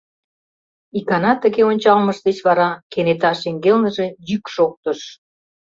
Икана тыге ончалмыж деч вара кенета шеҥгелныже йӱк шоктыш: